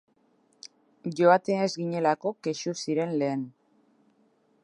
Joaten ez ginelako kexu ziren lehen.